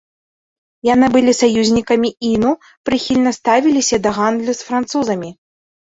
Яны былі саюзнікамі іну, прыхільна ставіліся да гандлю з французамі.